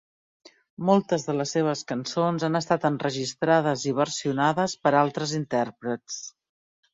Moltes de les seves cançons han estat enregistrades i versionades per altres intèrprets.